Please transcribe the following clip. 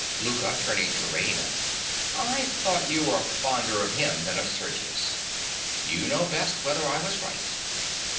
LOUKA. (turning to Raina). I thought you were fonder of him than of Sergius. You know best whether I was right.